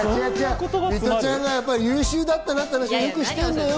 ミトちゃんが優秀だっていう話はよくしてるのよ。